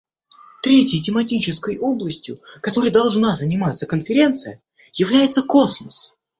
Третьей тематической областью, которой должна заниматься Конференция, является космос.